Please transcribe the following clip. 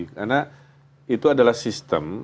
karena itu adalah sistem